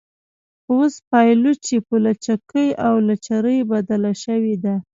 خو اوس پایلوچي په لچکۍ او لچرۍ بدله شوې ده.